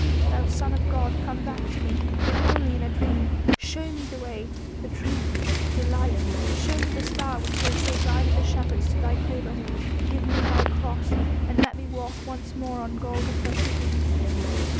Thou Son of God, come back to me, if only in a dream ... show me the way, the truth, the light; show me the star which they say guided the shepherds to Thy cradle ... give me Thy cross, and let me walk once more on Golgotha to Thee."